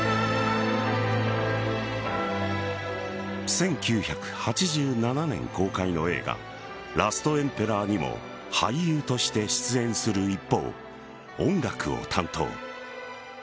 １９８７年公開の映画「ラストエンペラー」にも俳優として出演する一方音楽を担当。